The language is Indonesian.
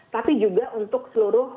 tapi juga untuk seluruh